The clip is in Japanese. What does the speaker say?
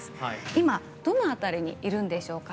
今、どの辺りにいるんでしょうか。